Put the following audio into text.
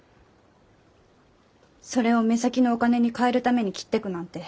それを目先のお金に換えるために切ってくなんて。